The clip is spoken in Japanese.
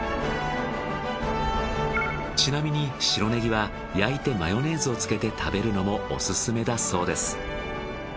ちなみに白ネギは焼いてマヨネーズをつけて食べるのもオススメだそうです。